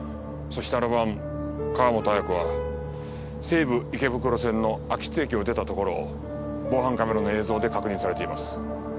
そしてあの晩川本綾子は西武池袋線の秋津駅を出たところを防犯カメラの映像で確認されています。